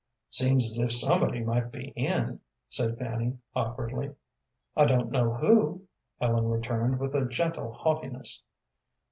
"Seems as if somebody might be in," said Fanny, awkwardly. "I don't know who," Ellen returned, with a gentle haughtiness.